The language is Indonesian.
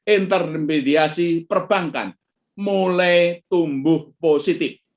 intermediasi perbankan mulai tumbuh positif